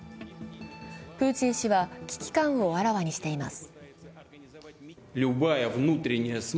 プーチン氏は危機感をあらわにしています。